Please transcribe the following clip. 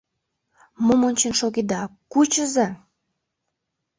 Мом ончен шогеда, кучыза!